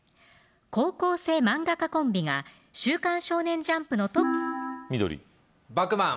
高校生漫画家コンビが週刊少年ジャンプ緑バクマン。